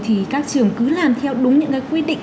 thì các trường cứ làm theo đúng những cái quy định